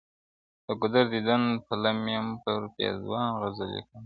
د ګودر د دیدن پل یم، پر پېزوان غزل لیکمه؛